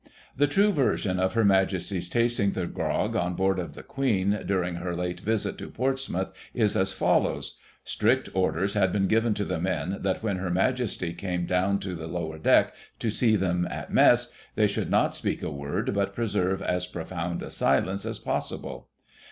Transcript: " The true version of Her Majesty's tasting the grog on board of The Queetiy during her late visit to Portsmouth, is as follows : Strict orders had been given to the men, that when Her Majesty came down to the lower deck, to see them at mess, they should not speak a word, but preserve as profound a silence as possible.